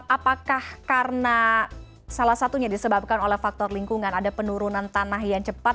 apakah karena salah satunya disebabkan oleh faktor lingkungan ada penurunan tanah yang cepat